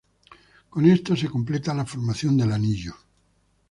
Con esto, se completa la formación del anillo.